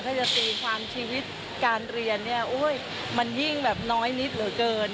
ถ้าจะตีความชีวิตการเรียนเนี่ยมันยิ่งแบบน้อยนิดเหลือเกิน